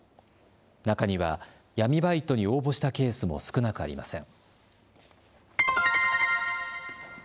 中には、闇バイトに応募したケースも少なくありません。